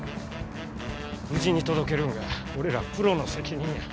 無事に届けるんが俺らプロの責任や。